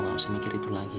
kau gak usah mikir itu lagi ya